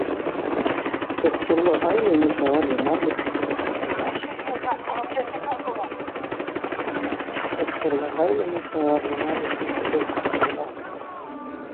Тухтурла гъайли нуша гьарли-марли пикридулхъахъулра.